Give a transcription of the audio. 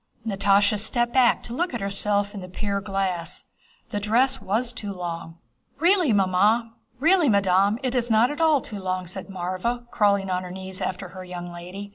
Natásha stepped back to look at herself in the pier glass. The dress was too long. "Really, madam, it is not at all too long," said Mávra, crawling on her knees after her young lady.